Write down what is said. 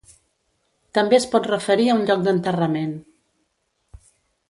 També es pot referir a un lloc d'enterrament.